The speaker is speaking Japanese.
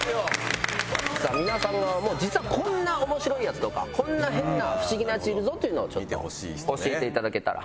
さあ皆さんが思う実はこんな面白いヤツとかこんな変な不思議なヤツいるぞというのをちょっと教えて頂けたら。